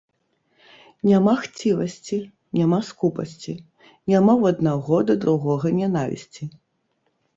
Няма хцівасці, няма скупасці, няма ў аднаго да другога нянавісці.